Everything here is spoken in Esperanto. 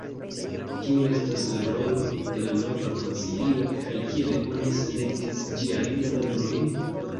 Kiu estos la rolo de la nova konsilio, kaj kiel oni selektis ĝiajn membrojn?